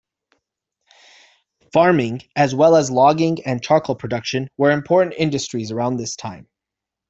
Farming, as well as logging and charcoal production were important industries around this time.